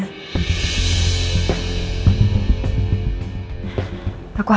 aku khawatir banget mas